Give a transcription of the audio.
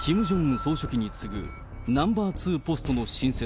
総書記に次ぐナンバー２ポストの新設。